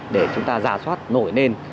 để chúng ta ra soát nổi nên